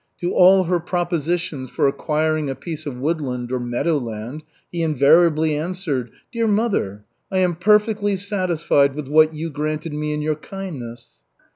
To all her propositions for acquiring a piece of woodland or meadowland, he invariably answered: "Dear mother, I am perfectly satisfied with what you granted me in your kindness."